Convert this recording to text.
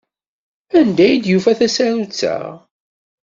Anda i d-yufa tasarut-a?